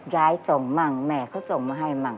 ส่งมั่งแม่เขาส่งมาให้มั่ง